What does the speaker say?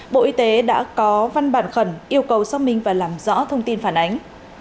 bộ y tế đã có văn bản khẩn yêu cầu xác minh và làm rõ thông tin phản ánh